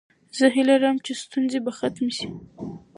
زه هیله لرم چې ستونزې به ختمې شي.